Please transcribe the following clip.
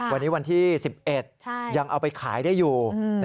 วันนี้วันที่๑๑ยังเอาไปขายได้อยู่